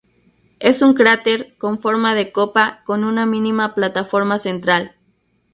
Es un cráter con forma de copa, con una mínima plataforma central.